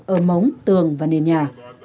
ở móng tường và nền nhà